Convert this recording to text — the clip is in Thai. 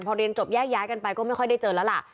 พอเรียนจบแยกย้ายกันไปก็ไม่ค่อยได้เจอแล้วล่ะ